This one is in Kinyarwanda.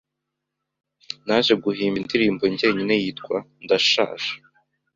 naje guhimba indirimbo ngenyine yitwa “Ndashaje